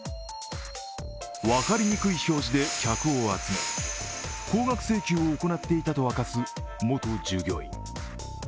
分かりにくい表示で客を集め、高額請求を行っていたと明かす元従業員。